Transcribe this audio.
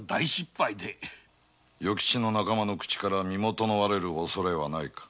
与吉の仲間の口から身元が割れる恐れはないか？